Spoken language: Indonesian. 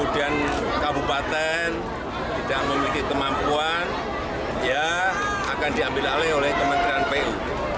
jokowi dodo menunggu kemampuan yang tidak memiliki kemampuan yang akan diambil oleh kementerian pu